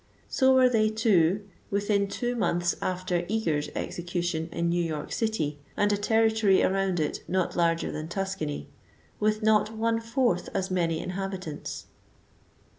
So were they, too, within two months after Eager's execution, in New York city and a territory around it not larger than Tuscany, with not one fourth as many inhabit ants.